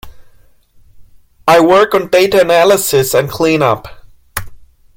I work on data analysis and cleanup.